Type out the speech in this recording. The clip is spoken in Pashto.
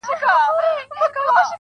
زما خو زړه دی زما ځان دی څه پردی نه دی,